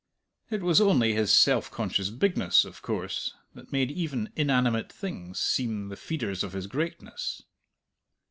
It was only his self conscious bigness, of course, that made even inanimate things seem the feeders of his greatness.